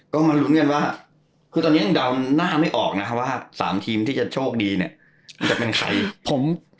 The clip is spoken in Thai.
ก็มาลุ้นกันว่าคือตอนนี้ยังเดาหน้าไม่ออกนะครับว่า๓ทีมที่จะโชคดีเนี่ยจะเป็นใคร